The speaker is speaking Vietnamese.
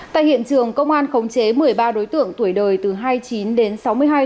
tại hiện trường công an khống chế một mươi ba đối tượng tuổi đời từ hai mươi chín đến sáu mươi hai